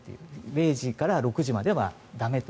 ０時から６時までは駄目と。